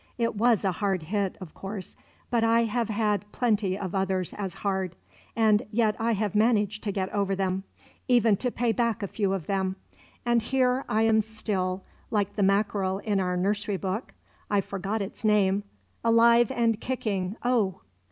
It was a hard hit, of course; but I have had plenty of others as hard, and yet I have managed to get over them, even to pay back a few of them, and here I am still, like the mackerel in our nursery book (I forget its name), 'Alive and kicking, oh!'